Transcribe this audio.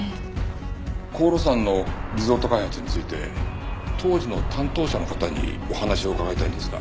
紅露山のリゾート開発について当時の担当者の方にお話を伺いたいんですが。